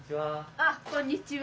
あっこんにちは。